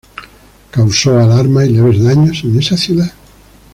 Causó alarma y leves daños en esa ciudad.